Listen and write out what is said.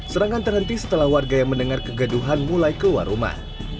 serangan terhenti setelah warga yang mendengar kegaduhan mulai keluar rumah